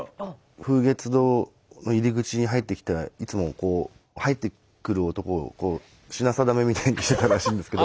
風月堂の入り口に入ってきたいつもこう入ってくる男をこう品定めみたいにしてたらしいんですけど。